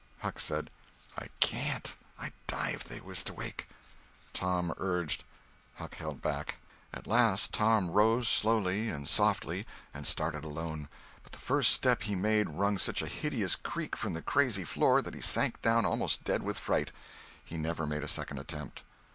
Huck said: "I can't—I'd die if they was to wake." Tom urged—Huck held back. At last Tom rose slowly and softly, and started alone. But the first step he made wrung such a hideous creak from the crazy floor that he sank down almost dead with fright. He never made a second attempt.